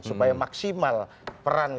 supaya maksimal peran kita